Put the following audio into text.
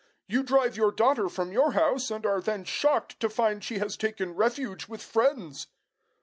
"You drive your daughter from your house, and are then shocked to find she has taken refuge with friends!"